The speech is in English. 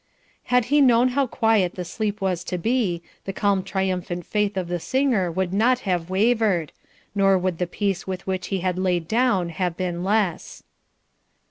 Had he known how quiet the sleep was to be, the calm triumphant faith of the singer would not have wavered, nor would the peace with which he laid down have been less.